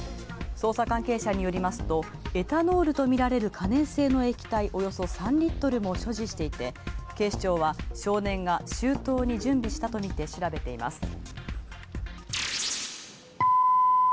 捜査関係者によりますとエタノールと見られ可燃性の液体およそ３リットルも所持していて警視庁は少年が周到に準備したとして調べています。